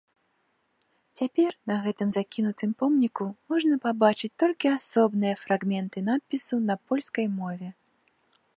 Цяпер на гэтым закінутым помніку можна пабачыць толькі асобныя фрагменты надпісу на польскай мове.